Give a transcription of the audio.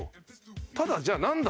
ただじゃあなんだ？